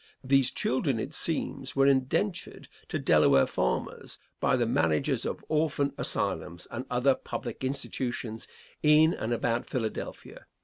These children, it seems, were indentured to Delaware farmers by the managers of orphan asylums and other public institutions in and about Philadelphia.